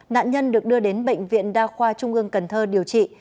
nạn nhân được đưa đến bệnh viện đa khoa trung ương cần thơ điều trị